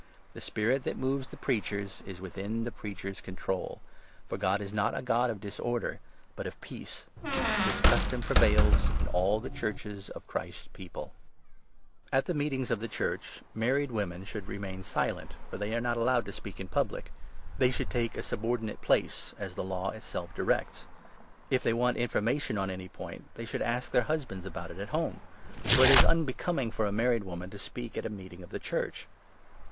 (The spirit that 32 moves the preachers is within the preachers' control ; for God 33 is not a God of disorder, but of peace.) This custom prevails in all the Churches of Christ's People. TH» Necessity At the meetings of the Church married women 34 for order, should remain silent, for they are not allowed to speak in public ; they should take a subordinate place, as the Law itself directs. If they want information on any 35 point, they should ask their husbands about it at home ; for it is unbecoming for a married woman to speak at a meeting of the Church.